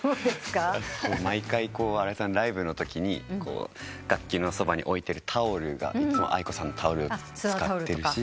毎回荒井さんライブのときに楽器のそばに置いてるタオルがａｉｋｏさんのタオル使ってるし。